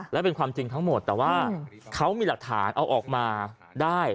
และเป็นความจริงทั้งหมดแต่ว่าเขามีหลักฐานเอาออกมาได้